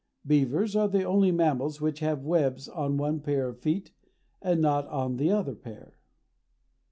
Beavers are the only mammals which have webs on one pair of feet, and not on the other pair.